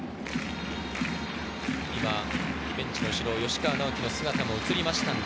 ベンチの後ろ、吉川尚輝の姿が映りました。